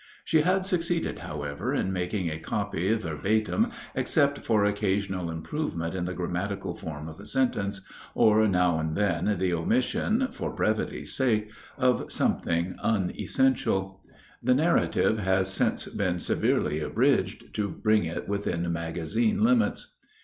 She had succeeded, however, in making a copy, verbatim except for occasional improvement in the grammatical form of a sentence, or now and then the omission, for brevity's sake, of something unessential. The narrative has since been severely abridged to bring it within magazine limits.